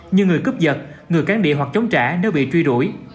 như người cướp giật người cán địa hoặc chống trả nếu bị truy đuổi